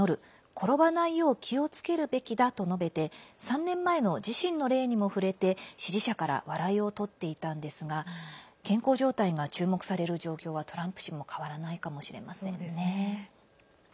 転ばないよう気をつけるべきだと述べて３年前の自身の例にも触れて支持者から笑いをとっていたんですが健康状態が注目される状況はトランプ氏も変わらないかもしれません。